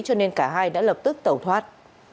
cho nên cả hai đã lập tức tẩu thoát